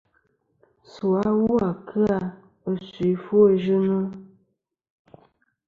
Su awu a kɨ-a ɨ suy ɨfwoyɨnɨ.